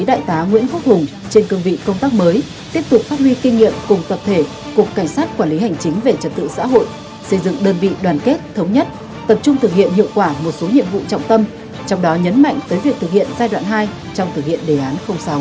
đại tá nguyễn quốc hùng trên cương vị công tác mới tiếp tục phát huy kinh nghiệm cùng tập thể cục cảnh sát quản lý hành chính về trật tự xã hội xây dựng đơn vị đoàn kết thống nhất tập trung thực hiện hiệu quả một số nhiệm vụ trọng tâm trong đó nhấn mạnh tới việc thực hiện giai đoạn hai trong thực hiện đề án sáu